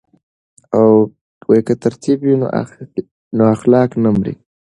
که تربیت وي نو اخلاق نه مري.